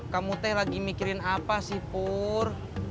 kamu teh lagi mikirin apa sih pur